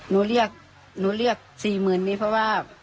นุเลี่ยนรู้เรียก๔๐๐๐๐นี้เพราะว่า